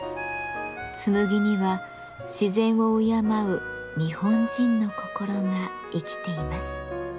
紬には自然を敬う日本人の心が生きています。